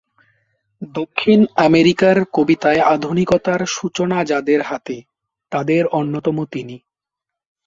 দক্ষিণ আমেরিকার কবিতায় আধুনিকতার সূচনা যাদের হাতে, তাদের অন্যতম তিনি।